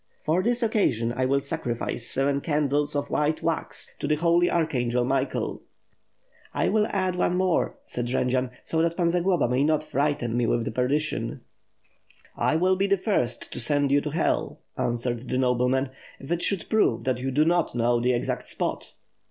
For this occasion, I will sacrifice seven candles of white wax to the Holy Archangel Michael." "I will add one more," said Jendzian, "so that Pan Zagloba may not frighten me with perdition." "I will be the first to send you to Hell," answered the nobleman, "if it should prove that you do not know the exact spot."